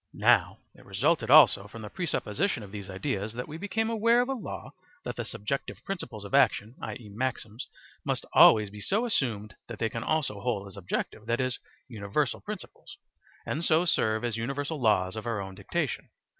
Now it resulted also from the presupposition of these ideas that we became aware of a law that the subjective principles of action, i.e., maxims, must always be so assumed that they can also hold as objective, that is, universal principles, and so serve as universal laws of our own dictation.